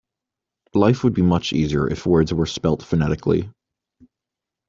Life would be much easier if words were spelt phonetically.